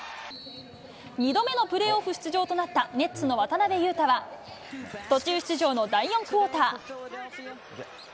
２度目のプレーオフ出場となったネッツの渡邊雄太は、途中出場の第４クオーター。